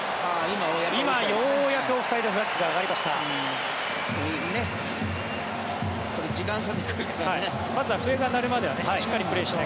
今、ようやくオフサイドフラッグが上がりました。